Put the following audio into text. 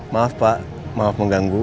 maaf pak maaf mengganggu